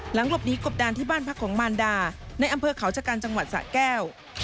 หลบหนีกบดานที่บ้านพักของมารดาในอำเภอเขาชะกันจังหวัดสะแก้ว